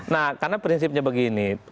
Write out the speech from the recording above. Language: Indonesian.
nah karena prinsipnya begini